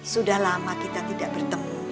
sudah lama kita tidak bertemu